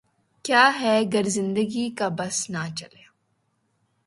کیا ہے گر زندگی کا بس نہ چلا